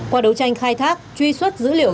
qua đấu tranh khai thác truy xuất dữ liệu